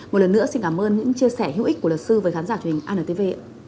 một lần nữa xin cảm ơn những chia sẻ hữu ích của luật sư với khán giả truyền hình antv